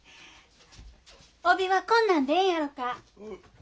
帯はこんなんでええんやろか。